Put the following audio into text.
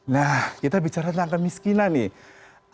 nah kita bicara tentang kemiskinan nih